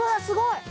すごい。